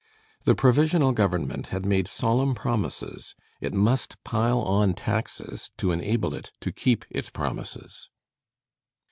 The Provisional government had made solemn promises: it must pile on taxes to enable it to keep its promises.